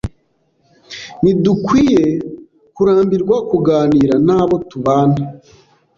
Ntidukwiye kurambirwa kuganira n’abo tubana